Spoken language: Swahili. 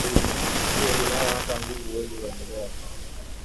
Je hunayo hata nguvu Huwezi kwendelea,